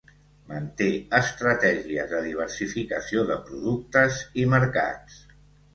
Manté estratègies de diversificació de productes i mercats.